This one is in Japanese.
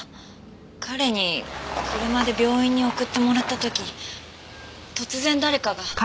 彼に車で病院に送ってもらった時突然誰かが。